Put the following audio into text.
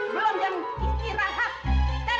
belum jam istirahat